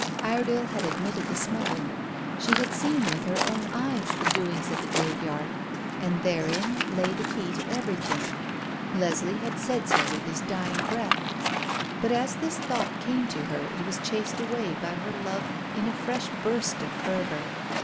Iredale had admitted the smuggling. She had seen with her own eyes the doings at the graveyard. And therein lay the key to everything. Leslie had said so with his dying breath. But as this thought came to her it was chased away by her love in a fresh burst of fervour.